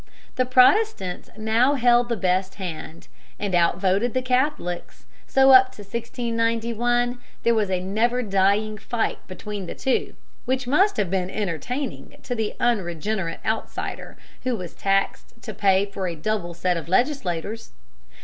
The Protestants now held the best hand, and outvoted the Catholics, so up to 1691 there was a never dying fight between the two, which must have been entertaining to the unregenerate outsider who was taxed to pay for a double set of legislators.